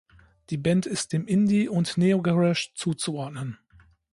Die Band ist dem Indie und Neo-Garage zuzuordnen.